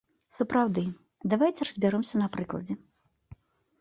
Сапраўды, давайце разбяромся на прыкладзе.